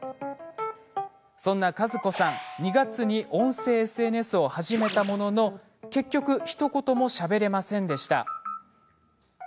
そんな加珠子さん２月に音声ＳＮＳを始めたものの結局、ひと言もしゃべれませんでした。